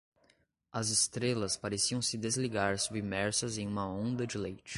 As estrelas pareciam se desligar submersas em uma onda de leite.